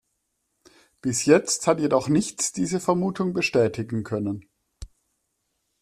Bis jetzt hat jedoch nichts diese Vermutung bestätigen können.